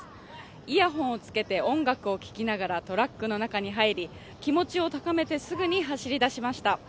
イヤホンをつけて音楽を聴きながらトラックの中に入り気持ちを高めてすぐに走り出しました。